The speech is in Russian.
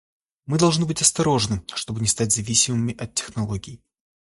Мы должны быть осторожны, чтобы не стать зависимыми от технологий.